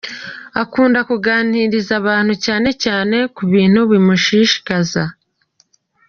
Akunda kuganiriza abantu cyane cyane ku bintu bimushishikaza.